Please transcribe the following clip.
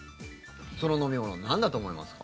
その飲み物なんだと思いますか？